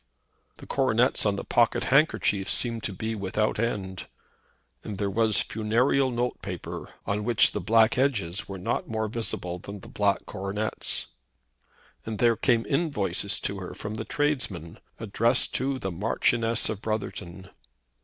The coronets on the pockethandkerchiefs seemed to be without end. And there was funereal note paper, on which the black edges were not more visible than the black coronets. And there came invoices to her from the tradesmen, addressed to the Marchioness of Brotherton.